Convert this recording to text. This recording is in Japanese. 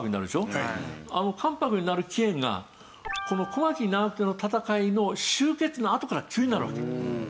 あの関白になる機縁がこの小牧・長久手の戦いの終結のあとから急になるわけ。